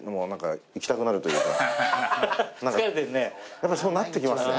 やっぱそうなってきますよね。